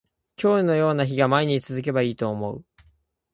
今日のような日が毎日続けばいいと思う